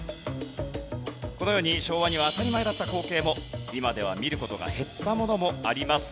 このように昭和には当たり前だった光景も今では見る事が減ったものもあります。